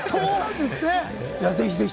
ぜひぜひ。